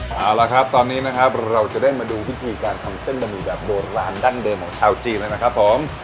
เอาละครับตอนนี้นะครับเราจะได้มาดูพิธีการทำเส้นบะหมี่แบบโบราณดั้งเดิมของชาวจีนแล้วนะครับผม